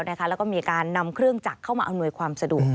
แล้วก็มีการนำเครื่องจักรเข้ามาอำนวยความสะดวก